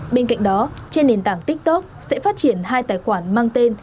bên cạnh đó trên nền tảng tiktok sẽ phát triển hai tài khoản mang tên